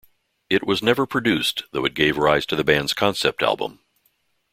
It was never produced, though it gave rise to the band's concept album.